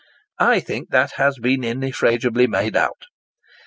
I think that has been irrefragably made out.